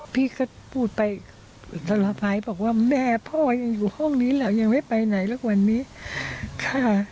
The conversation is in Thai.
พูดไปตลอดภัยบอกว่าแม่พ่อยังอยู่ห้องนี้แล้วยังไม่ไปไหนละกว่านี้ค่ะ